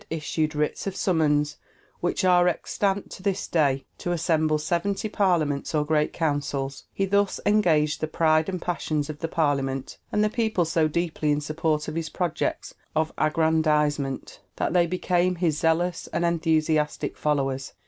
issued writs of summons, which are extant to this day, to assemble seventy parliaments or great councils: he thus engaged the pride and passions of the parliament and the people so deeply in support of his projects of aggrandizement, that they became his zealous and enthusiastic followers.